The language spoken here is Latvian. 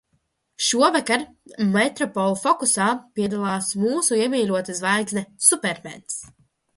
"Šovakar "Metropole fokusā" piedalās mūsu iemīļotā zvaigzne, Supermens!"